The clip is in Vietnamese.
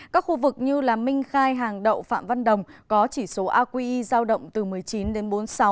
các khu vực như minh khai hàng đậu phạm văn đồng có chỉ số aqi giao động từ một mươi chín đến bốn mươi sáu